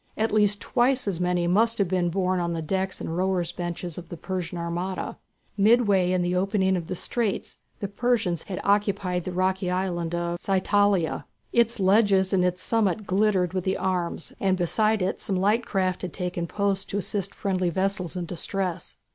At least twice as many must have been borne on the decks and rowers' benches of the Persian armada. Midway in the opening of the straits the Persians had occupied the rocky island of Psytalia. Its ledges and its summit glittered with arms, and beside it some light craft had taken post to assist friendly vessels in distress.